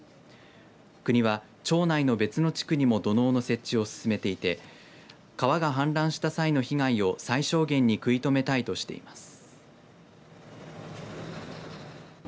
国は町内の別の地区にも土のうの設置を進めていて川が氾濫した際の被害を最小限に食い止めたいとしています。